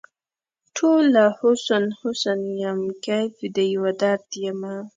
ټوله حسن ، حسن یم کیف د یوه درد یمه